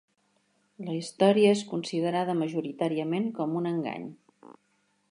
La història és considerada majoritàriament com un engany.